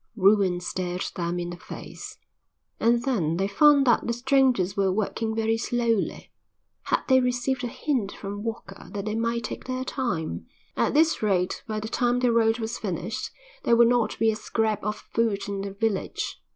Ruin stared them in the face. And then they found that the strangers were working very slowly. Had they received a hint from Walker that they might take their time? At this rate by the time the road was finished there would not be a scrap of food in the village.